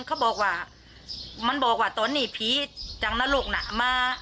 เขาบอกว่ามันบอกว่าตอนนี้ภีร์จากนรกน่ะ